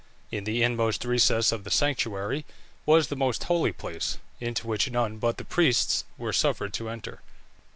In the inmost recess of the sanctuary was the most holy place, into which none but the priests were suffered to enter.